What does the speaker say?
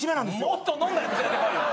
もっと飲んだやつ連れてこいよ。